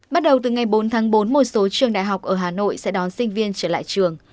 bắt đầu từ ngày bốn tháng bốn một số trường đại học ở hà nội sẽ đón sinh viên trở lại trường